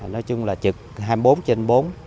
nói chung là trực hai mươi bốn trên bốn